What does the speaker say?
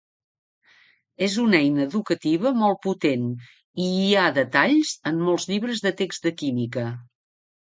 És una eina educativa molt potent, i hi ha detalls en molts llibres de text de química.